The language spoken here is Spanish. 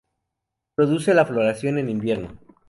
Produce la floración en invierno.